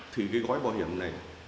thì cái gói bảo hiểm này